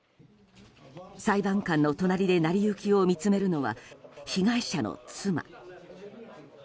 裁判官の隣で成り行きを見つめるのは被害者の妻。